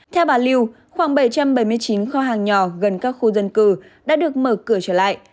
theo bà lưu khoảng bảy trăm bảy mươi chín kho hàng nhỏ gần các khu dân cư đã được mở cửa trở lại